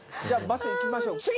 じゃあバス行きましょう。